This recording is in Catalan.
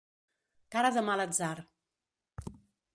Cara de mal atzar.